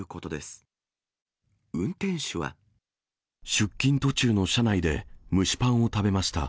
出勤途中の車内で蒸しパンを食べました。